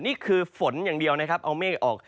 นี่คือฝนอย่างเดียวนะครับเอาเมฆออก